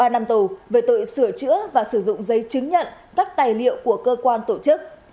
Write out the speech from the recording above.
ba năm tù về tội sửa chữa và sử dụng giấy chứng nhận các tài liệu của cơ quan tổ chức